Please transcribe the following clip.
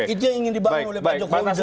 itu yang ingin dibangun oleh pak jokowi